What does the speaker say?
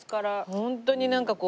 ホントになんかこう。